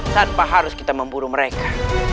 tanpa harus kita memburu mereka